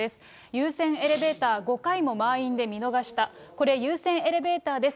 優先エレベーター、５回も満員で見逃した、これ、優先エレベーターです。